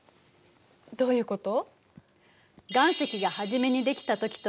どういうこと？